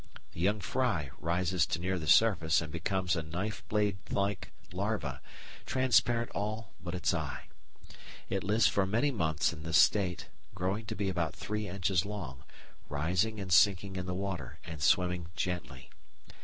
The young fry rises to near the surface and becomes a knife blade like larva, transparent all but its eye. It lives for many months in this state, growing to be about three inches long, rising and sinking in the water, and swimming gently.